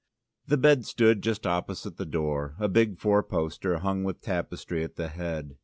The bed stood just opposite the door, a big four poster, hung with tapestry at the head.